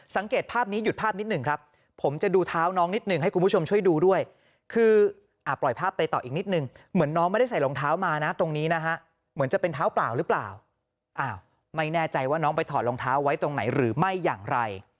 ตรงนี้นะฮะเหมือนจะเป็นเท้าเปล่าหรือเปล่าไม่แน่ใจว่าน้องไปถอดรองเท้าไว้ตรงไหนหรือไม่อย่างไร